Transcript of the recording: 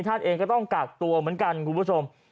ท่านเองก็ต้องกักตัวเหมือนกันคุณผู้ชม